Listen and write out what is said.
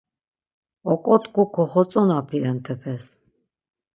Oǩotku koxotzonapi entepes.